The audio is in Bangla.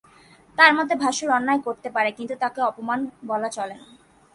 তার মতে ভাশুর অন্যায় করতে পারে কিন্তু তাকে অপমান বলা চলে না।